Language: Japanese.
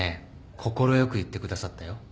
快く言ってくださったよ。